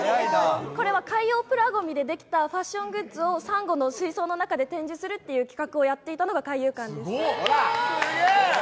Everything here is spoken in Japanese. これは海洋プラごみでできたファッショングッズを、さんごの水槽の中で展示するという企画をやっていたのが海遊館です。